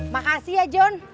makasih ya jon